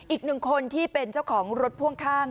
อีกหนึ่งคนที่เป็นเจ้าของรถพ่วงข้าง